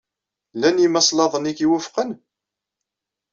Llan yimaslaḍen ay k-iwufqen?